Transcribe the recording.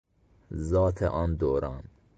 ذات آن دوران